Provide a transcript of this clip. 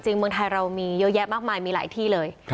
เมืองไทยเรามีเยอะแยะมากมายมีหลายที่เลย